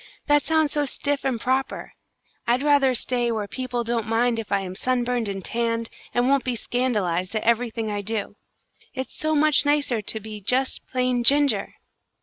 That sounds so stiff and proper. I'd rather stay where people don't mind if I am sunburned and tanned, and won't be scandalised at everything I do. It's so much nicer to be just plain Ginger!"